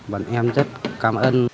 bọn em rất cảm ơn